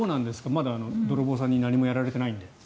まだ、泥棒さんに何もやられてないんで。